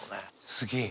すげえ。